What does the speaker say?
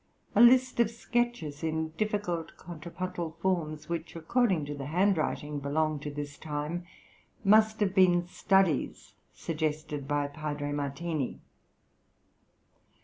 A list of sketches in difficult contrapuntal forms, which according to the handwriting belong to this time, must have been studies suggested by Padre Martini.